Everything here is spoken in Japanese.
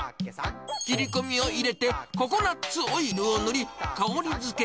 切り込みを入れて、ココナツオイルを塗り、香り付け。